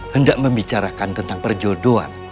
hendak membicarakan tentang perjodohan